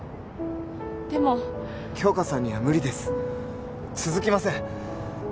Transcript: でも杏花さんには無理です続きません